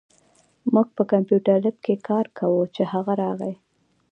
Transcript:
مونږ په کمپیوټر لېب کې کار کوو، چې هغه راغی